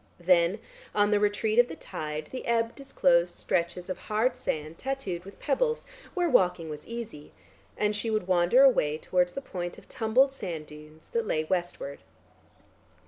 Then on the retreat of the tide, the ebb disclosed stretches of hard sand tattooed with pebbles, where walking was easy, and she would wander away towards the point of tumbled sand dunes that lay westward.